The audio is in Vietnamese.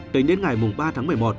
tính đến ngày ba tháng một mươi một